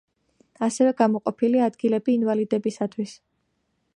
ასევე გამოყოფილია ადგილები ინვალიდებისათვის.